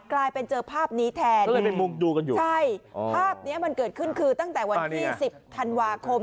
กลายเป็นเจอภาพนี้แทนภาพนี้มันเกิดขึ้นคือตั้งแต่วันที่สิบธันวาคม